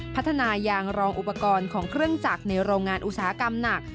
พัฒนายางรองอุปกรณ์ของเครื่องจักรในโรงงานอุตสาหกรรมหนัก